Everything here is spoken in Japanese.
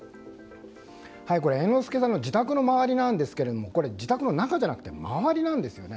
猿之助さんの自宅の周りなんですが自宅の中じゃなくて周りなんですよね。